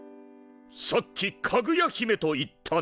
さっきかぐや姫と言ったね？